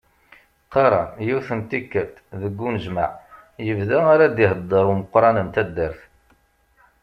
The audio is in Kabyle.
Qqarren, yiwet n tikkelt, deg unejmaɛ, yebda ara d-iheddeṛ umeqqran n taddart.